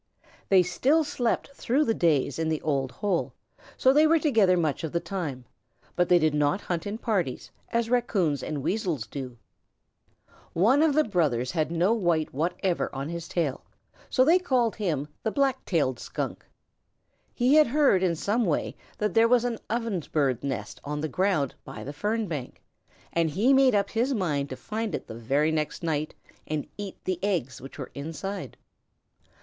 They still slept through the days in the old hole, so they were together much of the time, but they did not hunt in parties, as Raccoons and Weasels do. [Illustration: HE STARTED OFF FOR A NIGHT'S RAMBLE. Page 72] One of the brothers had no white whatever on his tail, so they called him the Black tailed Skunk. He had heard in some way that there was an Ovenbird's nest on the ground by the fern bank, and he made up his mind to find it the very next night and eat the eggs which were inside.